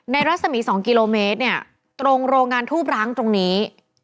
รัศมี๒กิโลเมตรเนี่ยตรงโรงงานทูบร้างตรงนี้